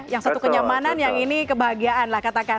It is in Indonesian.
yang satu kenyamanan yang ini kebahagiaan lah katakan